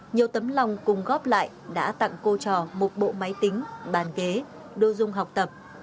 nhiều tấm lòng cùng góp lại đã tặng cô trò một bộ máy tính bàn ghế đô dung học tập